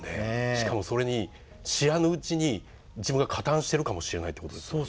しかもそれに知らぬうちに自分が加担してるかもしれないってことですもんね。